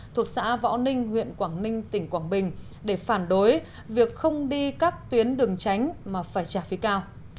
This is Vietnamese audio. thuộc xã võ ninh huyện quảng ninh tỉnh quảng bình để phản đối việc không đi các tuyến đường tránh mà phải trả phí cao